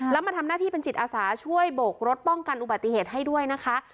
แล้วมาทำหน้าที่เป็นจิตอาสาช่วยโบกรถป้องกันอุบัติเหตุให้ด้วยนะคะ